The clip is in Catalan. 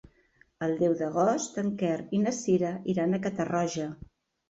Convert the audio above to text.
El deu d'agost en Quer i na Sira iran a Catarroja.